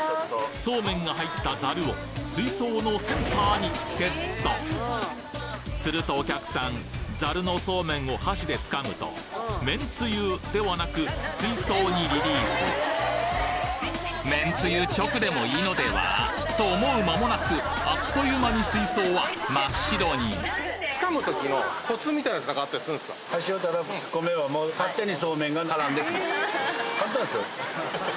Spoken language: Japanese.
そうめんが入ったざるを水槽のセンターにセットするとお客さんざるのそうめんを箸でつかむとめんつゆではなく水槽にリリースめんつゆ直でもいいのでは？と思う間もなくあっという間に水槽は真っ白にハハハ。